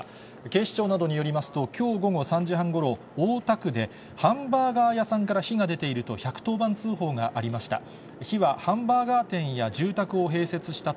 警視庁などによりますと、きょう午後３時半ごろ、大田区で、ハンバーガー屋さんから火が出ていると１１０番通報がありました。